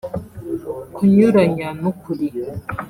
kunyuranya n’ ukuri